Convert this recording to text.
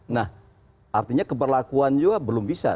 nah artinya keberlakuan juga belum bisa